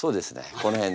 この辺で。